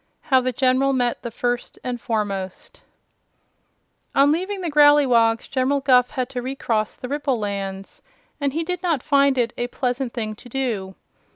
How the General Met the First and Foremost On leaving the Growleywogs General Guph had to recross the Ripple Lands, and he did not find it a pleasant thing to do.